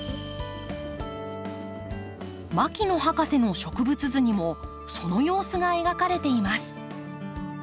牧野博士の植物図にもその様子が描かれています。